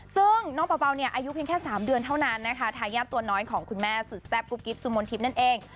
ซึ่งน้องเบาเนี่ยอายุเพียงแค่๓เดือนเท่านั้นนะคะทายาทตัวน้อยของคุณแม่สุดแซ่บกุ๊กกิ๊บสุมนทิพย์นั่นเอง